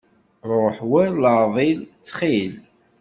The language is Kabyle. Ruḥ war leɛḍil, ttxil.